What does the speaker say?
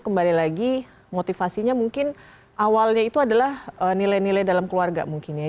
kembali lagi motivasinya mungkin awalnya itu adalah nilai nilai dalam keluarga mungkin ya